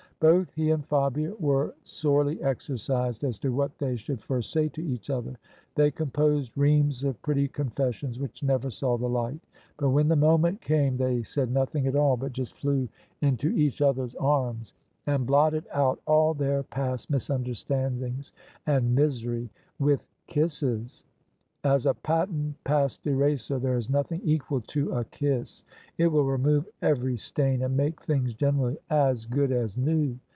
Both he and Fabia were sorely exercised as to what they should first say to each other: they composed reams of pretty confessions which never saw the light. But when the moment came they said nothing at all, but just flew into OF ISABEL CARNABY each other's arms, and blotted out all their past misunder standings and misery with kisses. As a patent past eraser there is nothing equal to a kiss: it will remove every stain, and make things generally as good as new.